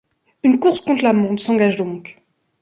Une course contre la montre s'engage donc.